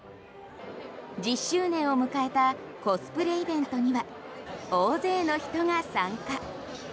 １０周年を迎えたコスプレイベントには大勢の人が参加。